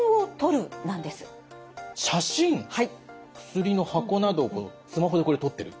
薬の箱などをスマホでこれ撮ってる。